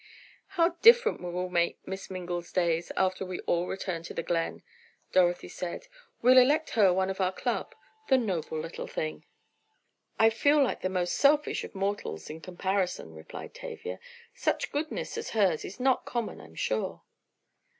"How different we will make Miss Mingle's days, after we all return to the Glen," Dorothy said. "We'll elect her one of our club, the noble little thing!" "I feel like the most selfish of mortals in comparison," replied Tavia. "Such goodness as hers is not common, I'm sure."